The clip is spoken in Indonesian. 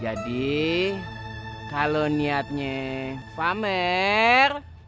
jadi kalau niatnya famer